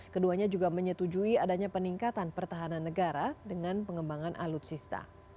keduanya juga menyetujui adanya peningkatan pertahanan negara dengan pengembangan alutsista